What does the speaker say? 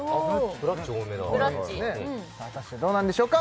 ブラッチ果たしてどうなんでしょうか？